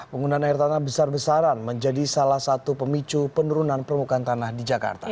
penggunaan air tanah besar besaran menjadi salah satu pemicu penurunan permukaan tanah di jakarta